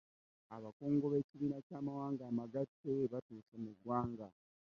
Abakungu b'ekibiina ky'amawanga amagatte baatuuse mu ggwanga.